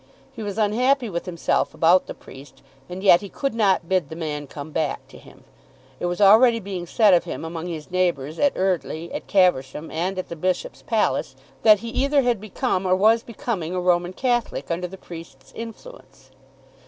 He was unhappy with himself about the priest, and yet he could not bid the man come back to him. It was already being said of him among his neighbours, at Eardly, at Caversham, and at the Bishop's palace, that he either had become or was becoming a Roman Catholic, under the priest's influence.